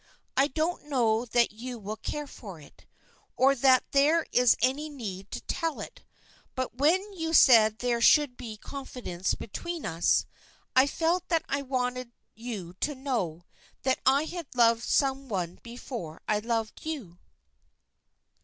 I don't know that you will care for it, or that there is any need to tell it, but when you said there should be confidence between us, I felt that I wanted you to know that I had loved some one before I loved you."